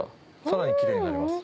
さらにキレイになります。